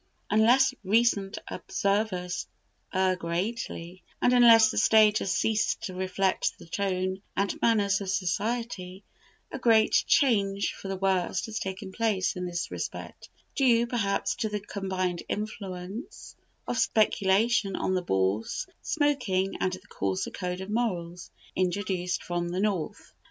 Unless recent observers err greatly, and unless the stage has ceased to reflect the tone and manners of society, a great change for the worst has taken place in this respect, due, perhaps, to the combined influence of speculation on the Bourse, smoking, and the coarser code of morals introduced from the North.